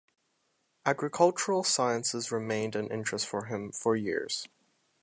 Agricultural sciences remained an interest for him for years.